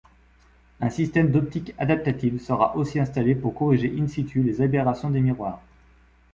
Un système d'optique adaptative sera aussi installé pour corriger in-situ les aberrations des miroirs.